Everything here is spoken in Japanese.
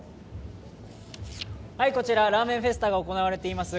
こちらラーメンフェスタが行われています